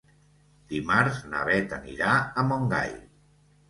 Dimarts na Bet anirà a Montgai.